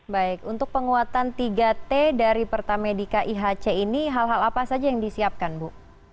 baik untuk penguatan tiga t dari pertamedika ihc ini hal hal apa saja yang disiapkan bu